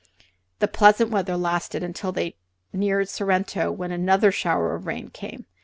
The pleasant weather lasted until they neared Sorrento, when another shower of rain came up.